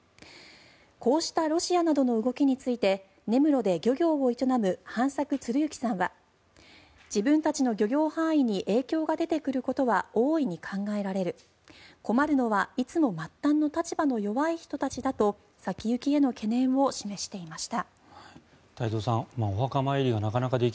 こうしたロシアなどの動きについて根室で漁業を営む飯作鶴幸さんは自分たちの漁業範囲に影響が出てくることは大いに考えられる困るのはいつも末端の立場の弱い人たちだと先行きへの懸念を示していました。